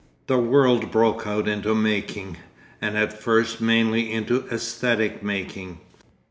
The world broke out into making, and at first mainly into æsthetic making.